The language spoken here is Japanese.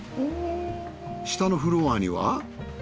下のフロアには。